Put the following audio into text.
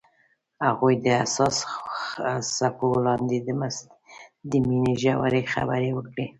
هغوی د حساس څپو لاندې د مینې ژورې خبرې وکړې.